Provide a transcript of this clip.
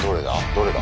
どれだ？